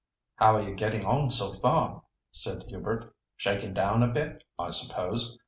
"How are you getting on so far?" said Hubert. "Shaking down a bit, I suppose.